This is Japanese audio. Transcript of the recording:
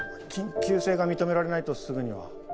緊急性が認められないとすぐには。